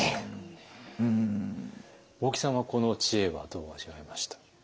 大木さんはこの知恵はどう味わいました？